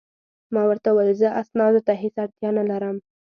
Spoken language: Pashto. ما ورته وویل: زه اسنادو ته هیڅ اړتیا نه لرم.